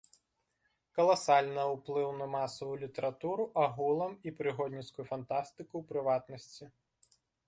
Каласальна ўплыў на масавую літаратуру агулам і прыгодніцкую фантастыку ў прыватнасці.